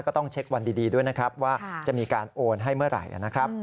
ต้องเช็ควันดีด้วยนะครับว่าจะมีการโอนให้เมื่อไหร่นะครับ